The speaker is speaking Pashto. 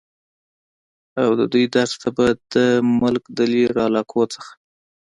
اود دوي درس ته به د ملک د لرې علاقو نه